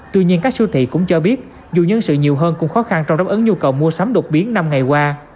tuy nhiên các siêu thị cũng cho biết dù nhân sự nhiều hơn cũng khó khăn trong đáp ứng nhu cầu mua sắm đột biến năm ngày qua